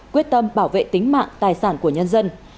quyết tâm bảo vệ tính mạng tài sản của nhân dân